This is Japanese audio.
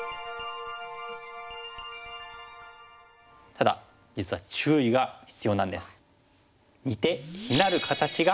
ただ実は注意が必要なんです。